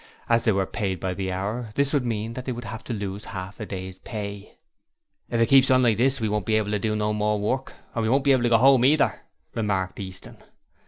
As they were paid by the hour, this would mean that they would have to lose half a day's pay. 'If it keeps on like this we won't be able to do no more work, and we won't be able to go home either,' remarked Easton.